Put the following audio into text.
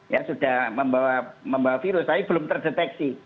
ya sudah membawa virus tapi belum terdeteksi